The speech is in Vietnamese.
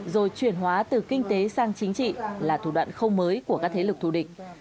rồi chuyển hóa từ kinh tế sang chính trị là thủ đoạn không mới của các thế lực thù địch